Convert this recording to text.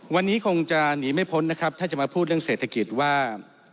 วันนี้คงจะหนีไม่พ้นนะครับถ้าจะมาพูดเรื่องเศรษฐกิจว่า